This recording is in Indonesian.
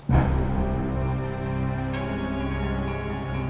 setelah ampun liek liek lagi